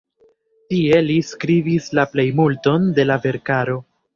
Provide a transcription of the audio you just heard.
Tie li skribis la plejmulton de la verkaro.